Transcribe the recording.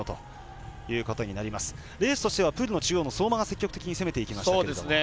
レースとしてはプールの中央の相馬が積極的に攻めていきましたけど。